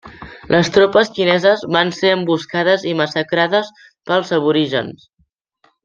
Les tropes xineses van ser emboscades i massacrades pels aborígens.